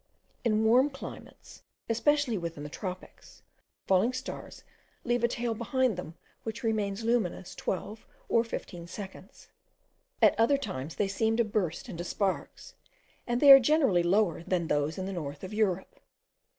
In warm climates, especially within the tropics, falling stars leave a tail behind them, which remains luminous 12 or 15 seconds: at other times they seem to burst into sparks, and they are generally lower than those in the north of Europe.